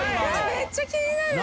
めっちゃ気になる。